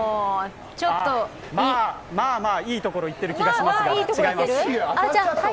まあまあ、いいところいってる気がしますが、違います。